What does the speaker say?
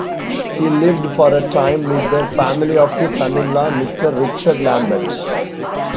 He lived for a time with the family of his son-in-law, Mr. Richard Lambert.